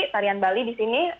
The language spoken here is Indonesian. tarian bali di sini